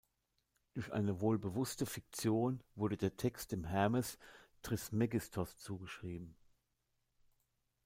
Durch eine wohl bewusste Fiktion wurde der Text dem Hermes Trismegistos zugeschrieben.